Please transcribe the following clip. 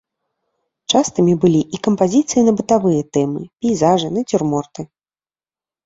Частымі былі і кампазіцыі на бытавыя тэмы, пейзажы, нацюрморты.